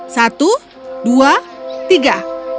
satu dua tiga